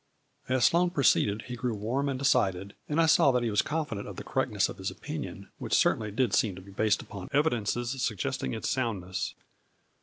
As Sloane proceeded he grew warm and de cided, and I saw that he was confident of the correctness of his opinion, which certainly did seem to be based upon evidences suggesting its soundness.